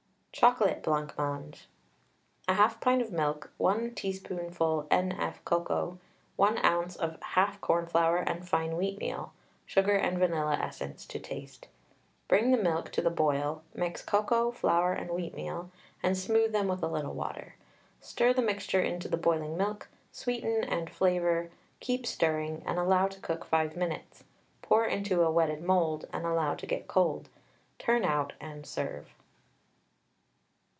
CHOCOLATE BLANCMANGE. 1/2 pint of milk, 1 teaspoonful N.F. cocoa, 1 oz. of half cornflour and fine wheatmeal, sugar and vanilla essence to taste. Bring the milk to the boil, mix cocoa, flour, and wheatmeal, and smooth them with a little water. Stir the mixture into the boiling milk, sweeten and flavour, keep stirring, and allow to cook 5 minutes. Pour into a wetted mould, and allow to get cold. Turn out, and serve.